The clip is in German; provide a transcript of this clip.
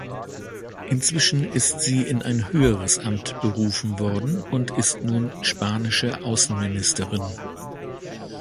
Inzwischen ist sie in ein höheres Amt berufen worden und ist nun spanische Außenministerin.